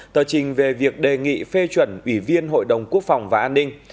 tờ trình về việc đề nghị phê chuẩn ủy viên hội đồng quốc phòng và an ninh